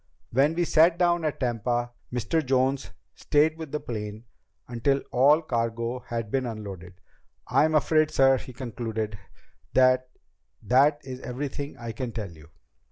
When we sat down at Tampa, Mr. Jones stayed with the plane until all cargo had been unloaded. I'm afraid, sir," he concluded, "that that is everything I can tell you."